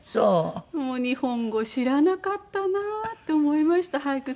もう日本語知らなかったなって思いました俳句